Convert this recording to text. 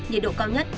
nhiệt độ cao nhất